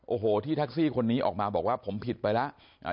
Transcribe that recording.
โอ้โหที่แท็กซี่คนนี้ออกมาบอกว่าผมผิดไปแล้ว